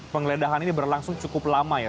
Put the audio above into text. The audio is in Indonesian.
penggeledahan ini berlangsung cukup lama ya